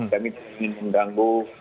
kami ingin mengganggu